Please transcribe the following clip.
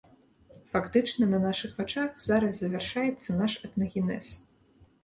Фактычна, на нашых вачах зараз завяршаецца наш этнагенез.